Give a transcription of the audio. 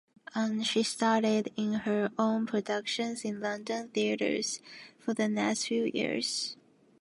She starred in her own productions in London theatres for the next few years.